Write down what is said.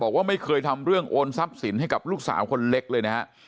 บอกว่าไม่เคยทำเรื่องโอนทรัพย์สินให้กับลูกสาวคนเล็กเลยนะฮะ